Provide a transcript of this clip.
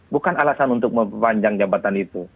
bukan alasan untuk memanjang jabatan ini